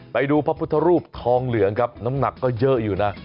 ไปดูพระพุทธรูปทองเหลืองครับน้ำหนักก็เยอะอยู่นะ